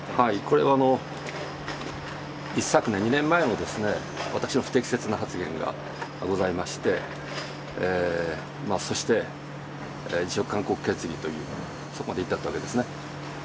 これは一昨年、２年前の私の不適切な発言がございまして、そして辞職勧告決議という、そこまで至ったわけですね。